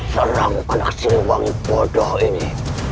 serang anak siri wangi bodoh ini